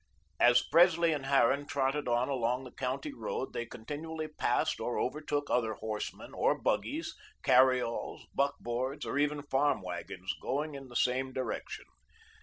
As Presley and Harran trotted on along the county road they continually passed or overtook other horsemen, or buggies, carry alls, buck boards or even farm wagons, going in the same direction.